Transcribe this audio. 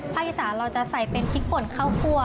อีสานเราจะใส่เป็นพริกป่นข้าวคั่ว